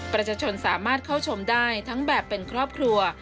ประชาชนสามารถเข้าชมได้ทั้งแบบเป็นครอบครัว